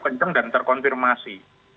kenceng dan terkonfirmasi